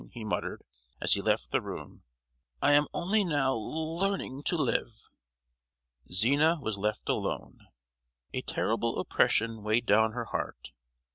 he muttered, as he left the room. "I am only now le—learning to live!" Zina was left alone. A terrible oppression weighed down her heart.